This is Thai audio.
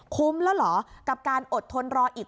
แล้วเหรอกับการอดทนรออีก